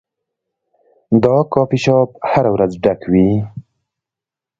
دا کافي شاپ هره ورځ ډک وي.